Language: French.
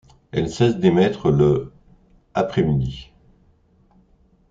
Elle cesse d'émettre le après-midi.